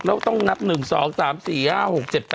มันแต่อยู่๑๒๓๔๕๖๗๘๙